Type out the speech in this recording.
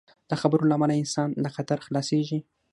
د خبرو له امله انسان له خطر خلاصېږي.